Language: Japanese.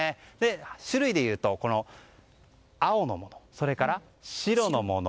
種類でいうと、青のものそれから白のもの